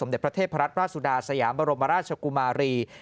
เด็จพระเทพรัตนราชสุดาสยามบรมราชกุมารี